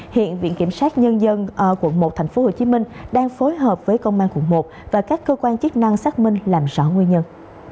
hiện viện kiểm sát nhân dân quận một tp hcm đang phối hợp với công an quận một và các cơ quan chức năng xác minh làm rõ nguyên nhân